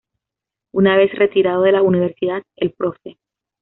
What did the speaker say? Una vez retirado de la Universidad, el Prof.